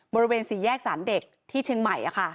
บริเวณสี่แยกสารเด็กที่เชียงใหม่